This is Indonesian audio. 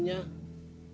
aku sudah selesai